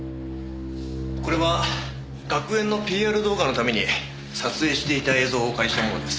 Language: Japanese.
これは学園のＰＲ動画のために撮影していた映像をお借りしたものです。